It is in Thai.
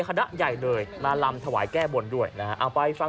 ซื้อที่ซื้อจลายครับทำบุญเลยซื้อที่เก็บไว้